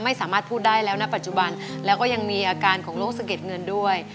ไม่สามารถพูดได้แล้วนะปัจจุบันแล้วก็ยังมีอาการของโรคสะเก็ดเงินด้วย